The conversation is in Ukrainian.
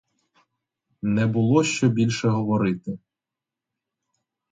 Не було що більше говорити!